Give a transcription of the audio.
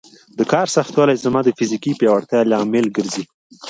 د کار سختوالی زما د فزیکي پیاوړتیا لامل ګرځي.